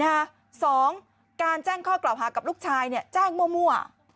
นะฮะสองการแจ้งข้อกล่าวฮากับลูกชายเนี่ยแจ้งมั่ว